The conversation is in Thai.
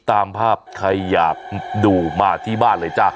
ตามภาพใครอยากดูมาที่บ้านเลยจ้ะ